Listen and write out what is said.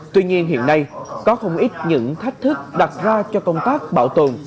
tuy nhiên hiện nay có không ít những thách thức đặt ra cho công tác bảo tồn